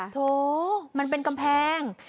โถมันเป็นกำแพง